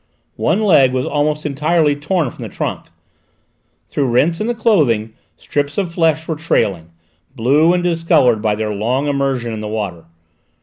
One leg was almost entirely torn from the trunk. Through rents in the clothing strips of flesh were trailing, blue and discoloured by their long immersion in the water.